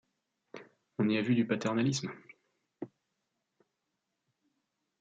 On y a vu du paternalisme.